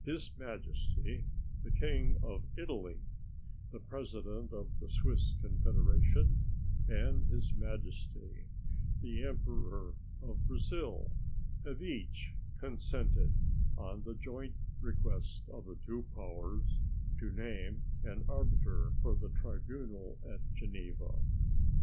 His Majesty the King of Italy, the President of the Swiss Confederation, and His Majesty the Emperor of Brazil have each consented, on the joint request of the two powers, to name an arbiter for the tribunal at Geneva.